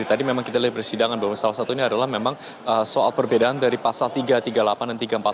tadi memang kita lihat persidangan bahwa salah satunya adalah memang soal perbedaan dari pasal tiga ratus tiga puluh delapan dan tiga ratus empat puluh